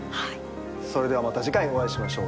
ではまた次回お会いしましょう。